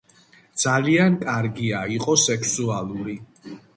ძალიან კარგია, იყო სექსუალური.